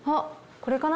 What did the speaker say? これかな？